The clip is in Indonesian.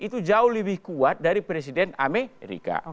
itu jauh lebih kuat dari presiden amerika